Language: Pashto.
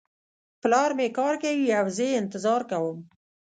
پلار مې کار کوي او زه یې انتظار کوم